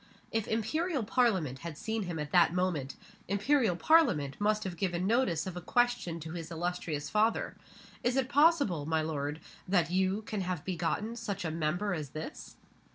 If Imperial Parliament had seen him at that moment, Imperial Parliament must have given notice of a question to his illustrious father: Is it possible, my lord, that you can have begotten such a Member as this?